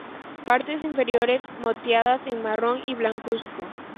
Partes inferiores moteadas en marrón y blancuzco.